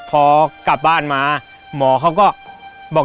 พอกลับบ้านมาหมอเขาก็บอก